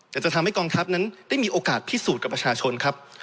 แต่จะทำให้กองทัพนั้นได้มีโอกาสพิสูจน์กับประชาชนครับ